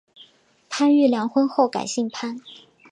潘玉良婚后改姓潘。